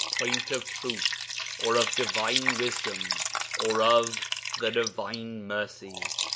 Point of Truth, or of Divine Wisdom, or of the Divine Mercy.